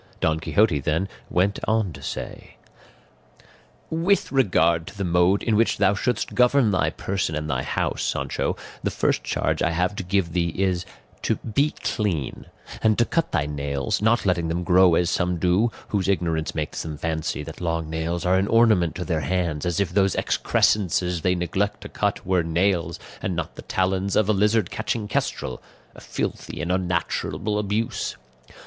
Don Quixote, then, went on to say: "With regard to the mode in which thou shouldst govern thy person and thy house, Sancho, the first charge I have to give thee is to be clean, and to cut thy nails, not letting them grow as some do, whose ignorance makes them fancy that long nails are an ornament to their hands, as if those excrescences they neglect to cut were nails, and not the talons of a lizard catching kestrel a filthy and unnatural abuse.